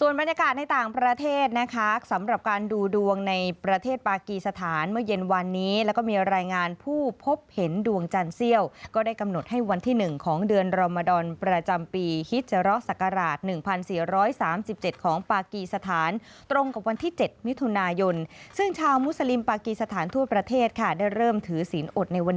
ส่วนบรรยากาศในต่างประเทศนะครับสำหรับการดูดวงในประเทศปากีสถานเมื่อเย็นวันนี้แล้วก็มีรายงานผู้พบเห็นดวงจันทร์เซี่ยวก็ได้กำหนดให้วันที่๑ของเดือนรมดอนประจำปีฮิจรสักราช๑๔๓๗ของปากีสถานตรงกับวันที่๗มิถุนายนซึ่งชาวมุสลิมปากีสถานทั่วประเทศค่ะได้เริ่มถือศีลอดในวั